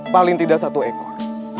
paling tidak satu ekor